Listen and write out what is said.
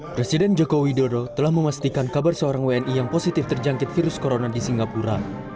presiden joko widodo telah memastikan kabar seorang wni yang positif terjangkit virus corona di singapura